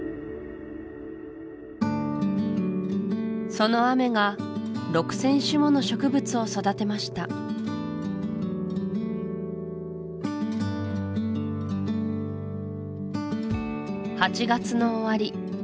その雨が６０００種もの植物を育てました８月の終わり